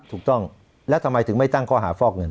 ถูกต้องแล้วทำไมถึงไม่ตั้งข้อหาฟอกเงิน